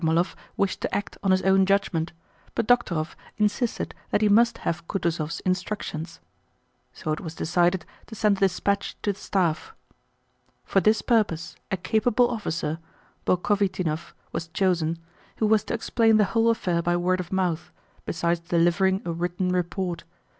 Ermólov wished to act on his own judgment, but Dokhtúrov insisted that he must have Kutúzov's instructions. So it was decided to send a dispatch to the staff. For this purpose a capable officer, Bolkhovítinov, was chosen, who was to explain the whole affair by word of mouth, besides delivering a written report.